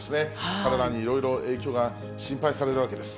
体にいろいろ影響が心配されるわけです。